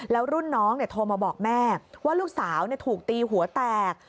แล้วรุ่นน้องโทรมาบอกแม่ว่าลูกสาวถูกตีหัวแตก